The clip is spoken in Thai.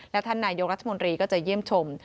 และท่านนายกรัฐมนตรีก็จะเยี่ยมชม